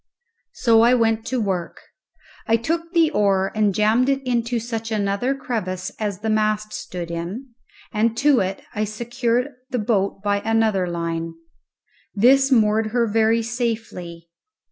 So I went to work. I took the oar and jammed it into such another crevice as the mast stood in, and to it I secured the boat by another line. This moored her very safely.